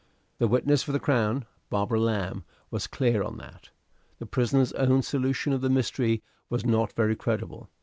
The witness for the Crown, Barbara Lamb, was clear on that. "The prisoner's own solution of the mystery was not very credible.